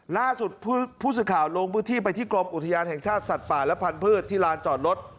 ล่าสุดผู้สื่อข่าวลงพื้นที่ไปที่กรมอุทยานแห่งชาติสัตว์ป่าและพันธุ์ที่ลานจอดรถ